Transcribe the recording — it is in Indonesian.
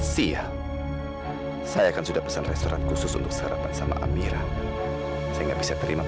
see ya saya kan sudah pesan restoran khusus untuk sarapan sama amiran saya bisa terima